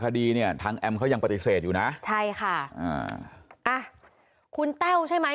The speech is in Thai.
คดีเนี่ยทางแอมเขายังปฏิเสธอยู่นะใช่ค่ะอ่าอ่ะคุณแต้วใช่ไหม